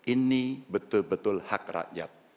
ini betul betul hak rakyat